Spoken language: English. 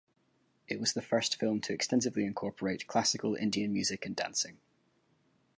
It was the first film to extensively incorporate classical Indian music and dancing.